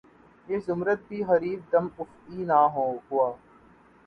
یہ زمرد بھی حریف دم افعی نہ ہوا